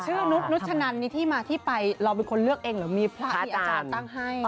นุษนุชนันมีที่มาที่ไปเราเป็นคนเลือกเองหรือมีพระมีอาจารย์ตั้งให้